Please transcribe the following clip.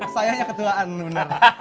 sayangnya ketuaan bener